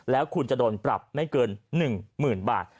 แล้วคุณจะโดนปรับไม่เกิน๑๐๐๐บาท